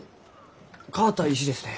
変わった石ですね。